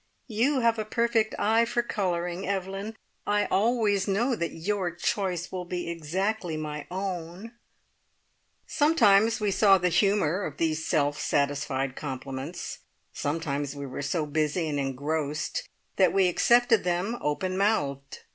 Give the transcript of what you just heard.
"You have a perfect eye for colouring, Evelyn. I always know that your choice will be exactly my own." Sometimes we saw the humour of these self satisfied compliments, sometimes we were so busy and engrossed that we accepted them open mouthed.